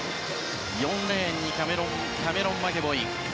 ４レーンにキャメロン・マケボイ。